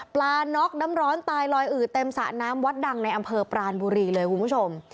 น็อกน้ำร้อนตายลอยอืดเต็มสระน้ำวัดดังในอำเภอปรานบุรีเลยคุณผู้ชม